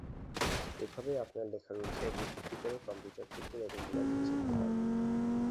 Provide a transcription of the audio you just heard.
এভাবেই আপনার লেখা রুলসের উপর ভিত্তি করেই কম্পিউটার কুকুর এবং বিড়ালকে চিনতে পারবে।